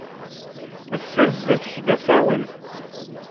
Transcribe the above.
Ass-a zdat-k d asawen.